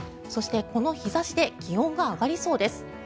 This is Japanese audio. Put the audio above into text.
そしてこの日差しで気温が上がりそうです。